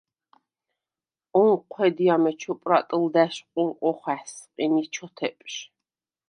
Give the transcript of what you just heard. ონჴვედ ი ამეჩუ პრატჷლდა̈შ ყურყვ ოხა̈სყ ი მი ჩოთეპჟ.